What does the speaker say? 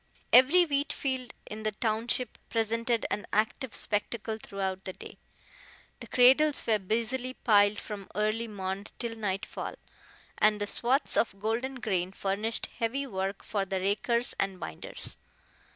Every wheat field in the township presented an active spectacle throughout the day. The cradles were busily plied from early morn till nightfall, and the swaths of golden grain furnished heavy work for the rakers and binders.